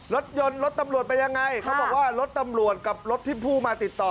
รถยนต์รถตำรวจไปยังไงเขาบอกว่ารถตำรวจกับรถที่ผู้มาติดต่อ